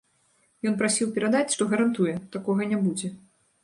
Ён прасіў перадаць, што гарантуе, такога не будзе.